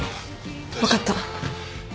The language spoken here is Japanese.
分かった。